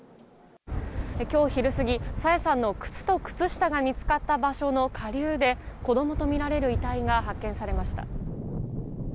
今日昼過ぎ、朝芽さんの靴と靴下が見つかった場所の下流で、子供とみられる遺体が発見されました。